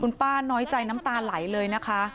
คุณป้าน้อยใจน้ำตาไหลเลยนะคะ